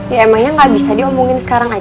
ya emangnya gak bisa diomongin sekarang aja